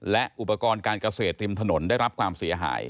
และอุปกรณ์การเกษตรริมถนนได้รับความเสียหาย